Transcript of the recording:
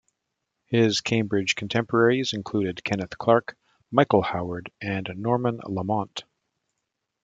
His Cambridge contemporaries included Kenneth Clarke, Michael Howard and Norman Lamont.